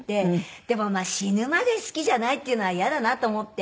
でもまあ死ぬまで好きじゃないっていうのはイヤだなと思って。